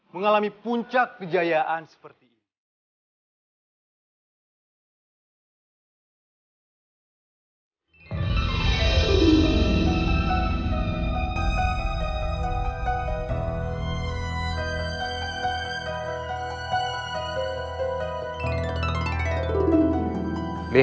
mengalami puncak kejayaan seperti ini